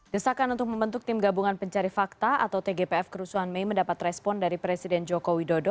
desakan untuk membentuk tim gabungan pencari fakta atau tgpf kerusuhan mei mendapat respon dari presiden joko widodo